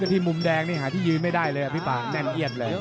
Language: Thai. ที่มุมแดงนี่หาที่ยืนไม่ได้เลยอ่ะพี่ป่าแน่นเอียดเลย